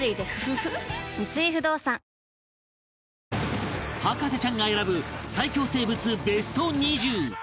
三井不動産博士ちゃんが選ぶ最恐生物ベスト２０